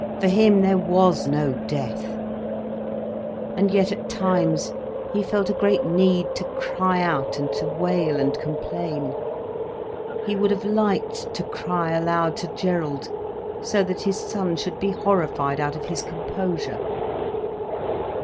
For him, there was no death. And yet, at times, he felt a great need to cry out and to wail and complain. He would have liked to cry aloud to Gerald, so that his son should be horrified out of his composure.